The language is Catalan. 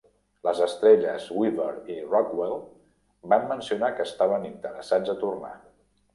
Les estrelles Weaver i Rockwell van mencionar que estaven interessats a tornar.